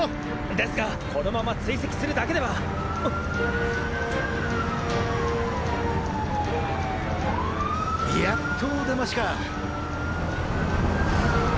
ですがこのまま追跡するだけではっ⁉やっとお出ましか！